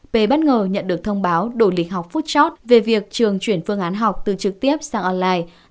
p bất ngờ nhận được thông báo đổi lịch học phút chót về việc trường chuyển phương án học từ trực tiếp sang online